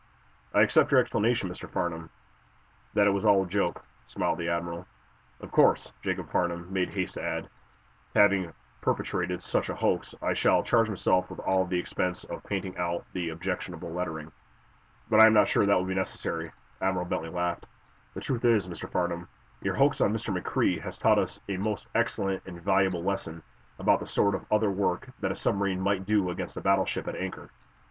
"I accept your explanation, Mr. Farnum, that it was all a joke," smiled the admiral. "Of course," Jacob Farnum made haste to add, "having perpetrated such a hoax, I shall charge myself with all the expense of painting out the objectionable lettering." "But I am not sure that that will be necessary," Admiral Bentley laughed. "The truth is, Mr. Farnum, your hoax on Mr. McCrea has taught us a most excellent and valuable lesson about the sort of other work that a submarine might do against a battleship at anchor.